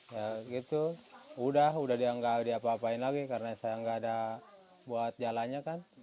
ya gitu udah udah dia nggak diapa apain lagi karena saya nggak ada buat jalannya kan